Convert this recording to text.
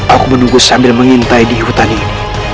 aku menunggu sambil mengintai di hutan ini